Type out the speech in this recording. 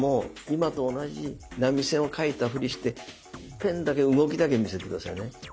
今と同じ波線を書いたフリしてペンだけ動きだけ見せてくださいね。